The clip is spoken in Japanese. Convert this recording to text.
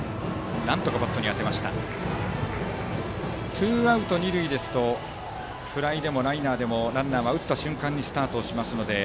ツーアウト二塁だとフライでもライナーでもランナーは打った瞬間にスタートしますので。